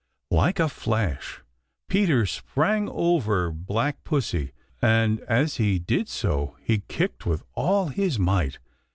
Like a flash Peter sprang over Black Pussy, and as he did so he kicked with all his might.